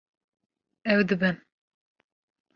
Ew dibin